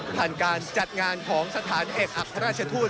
ผ่านการจัดงานของสถานเอกอัครราชทูต